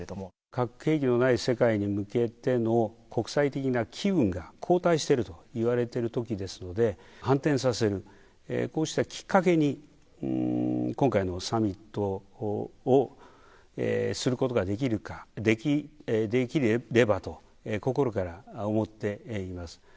核兵器のない世界に向けての国際的な機運が後退しているといわれているときですので、反転させる、こうしたきっかけに、今回のサミットをすることができるか、できればと、心から思っています。